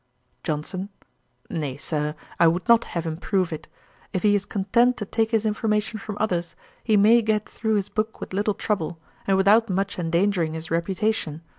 JOHNSON. 'Nay, Sir, I would not have him prove it. If he is content to take his information from others, he may get through his book with little trouble, and without much endangering his reputation.